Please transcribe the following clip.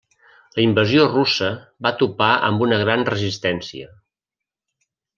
La invasió russa va topar amb una gran resistència.